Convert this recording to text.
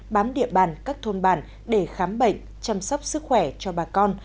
bám địa bàn các thôn bản để khám bệnh chăm sóc sức khỏe cho bà con